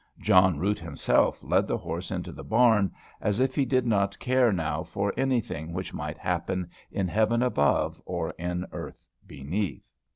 John Root himself led the horse into the barn, as if he did not care now for anything which might happen in heaven above or in earth beneath.